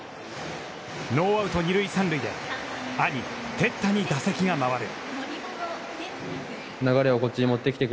ノーアウト、二塁三塁で兄・哲太に打席が回る。